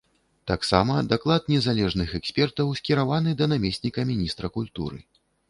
Таксама даклад незалежных экспертаў скіраваны да намесніка міністра культуры.